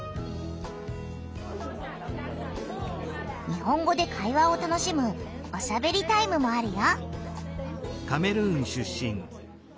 日本語で会話を楽しむ「おしゃべりタイム」もあるよ。